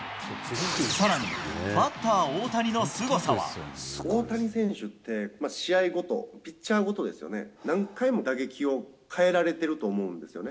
さらにバッター大谷のすごさ大谷選手って、試合ごと、ピッチャーごとですよね、何回も打撃を変えられてると思うんですよね。